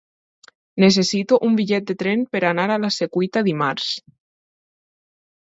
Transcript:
Necessito un bitllet de tren per anar a la Secuita dimarts.